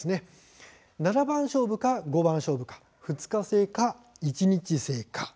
七番勝負か五番勝負か２日制か１日制か。